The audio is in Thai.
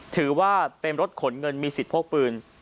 ถือว่าเป็นรถขนเงินมีสิทธิ์พกปืน